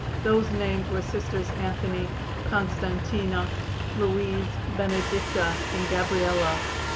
Those named were Sisters Anthony, Constantina, Louise, Benedicta and Gabriella.